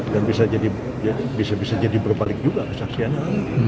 dan bisa jadi berbalik juga saksianya